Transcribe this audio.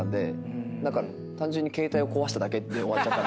だから単純に携帯壊しただけで終わっちゃったんすけど。